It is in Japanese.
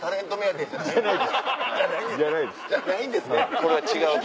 これは違うと。